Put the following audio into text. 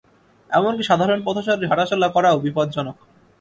এমনকি সাধারণ পথচারীর হাঁটাচলা করাও বিপজ্জনক।